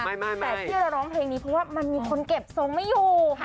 แต่ที่เราร้องเพลงนี้เพราะว่ามันมีคนเก็บทรงไม่อยู่